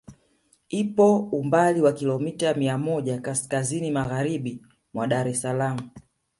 Ipo umbali wa Kilomita mia moja kaskazini Magharibi mwa Dar es Salaam